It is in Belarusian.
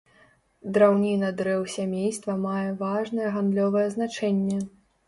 Драўніна дрэў сямейства мае важнае гандлёвае значэнне.